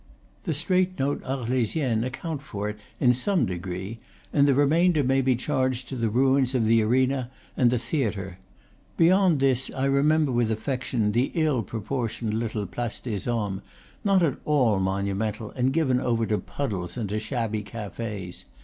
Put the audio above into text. The straight nosed Arlesiennes account for it in some degree; and the remainder may be charged to the ruins of the arena and the theatre. Beyond this, I remember with affection the ill proportioned little Place des Hommes; not at all monumental, and given over to puddles and to shabby cafes.